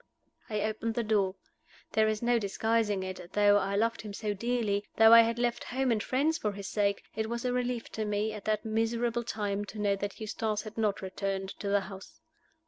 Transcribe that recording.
I opened the door. There is no disguising it though I loved him so dearly, though I had left home and friends for his sake it was a relief to me, at that miserable time, to know that Eustace had not returned to the house.